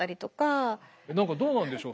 何かどうなんでしょう。